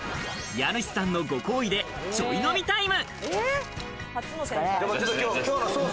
家主さんのご厚意で、ちょい飲みタイム。